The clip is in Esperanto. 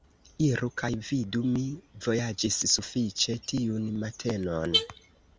Iru kaj vidu; mi vojaĝis sufiĉe tiun matenon.